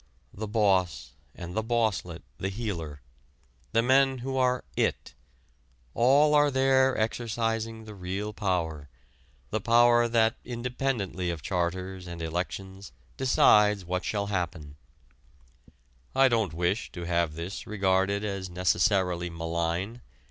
The boss, and the bosslet, the heeler the men who are "it" all are there exercising the real power, the power that independently of charters and elections decides what shall happen. I don't wish to have this regarded as necessarily malign.